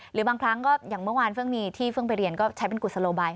หรือบางครั้งก็อย่างเมื่อวานเพิ่งมีที่เพิ่งไปเรียนก็ใช้เป็นกุศโลบาย